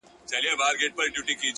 مجرم د غلا خبري پټي ساتي،